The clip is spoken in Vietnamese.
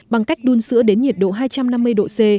bằng cách đun sữa đến nhiệt độ hai trăm năm mươi độ c